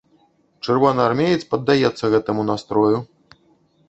Чырвонаармеец паддаецца гэтаму настрою.